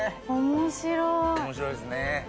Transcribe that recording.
面白いですね。